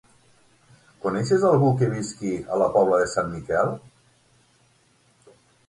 Coneixes algú que visqui a la Pobla de Sant Miquel?